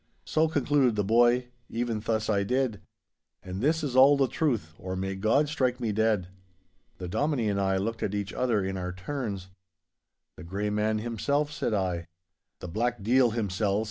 So,' concluded the boy, 'even thus I did! And this is all the truth, or may God strike me dead!' The Dominie and I looked each at the other in our turns. 'The Grey Man himself,' said I. 'The Black Deil himsel'!